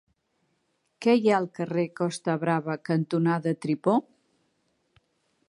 Què hi ha al carrer Costa Brava cantonada Tripó?